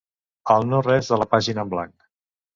Al no-res de la pàgina en blanc.